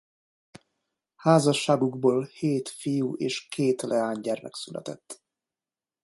Házasságukból hét fiú- és két leánygyermek született.